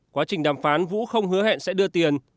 quá trình đàm phán vũ không hứa hẹn sẽ đưa tiền